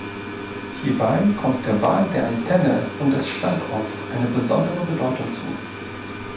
Hierbei kommt der Wahl der Antenne und des Standorts eine besondere Bedeutung zu.